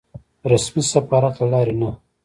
رسمي سفارت له لارې نه.